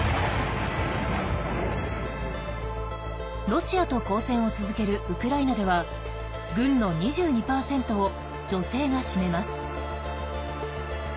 ロシアと交戦を続けるウクライナでは軍の２２％を女性が占めます。